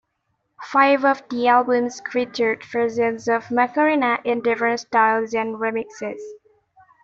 Five of the albums featured versions of "Macarena", in different styles and remixes.